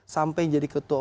sampai jadi ketua umum